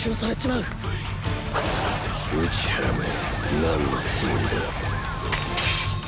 うちはめ何のつもりだ？